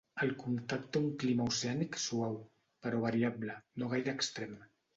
El comtat té un clima oceànic suau, però variable, no gaire extrem.